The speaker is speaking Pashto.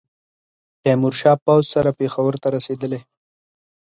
تېمورشاه پوځ سره پېښور ته رسېدلی.